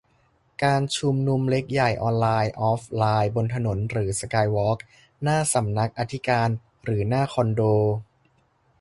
การชุมนุมเล็กใหญ่ ออนไลน์ ออฟไลน์ บนถนนหรือสกายวอล์ก หน้าสำนักอธิการหรือหน้าคอนโด